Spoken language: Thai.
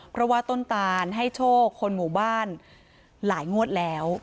เพราะว่าต้นตานให้โชคคนหมู่บ้านหลายงวดแล้ว